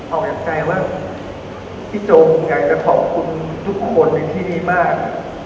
เอาแอบใจว่าพี่โจอยากจะขอบคุณทุกคนในที่นี้มาก